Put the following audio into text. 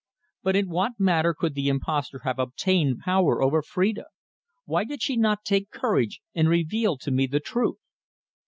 But in what manner could the impostor have obtained power over Phrida? Why did she not take courage and reveal to me the truth?